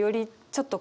ちょっと